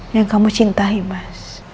yang kamu cintai mas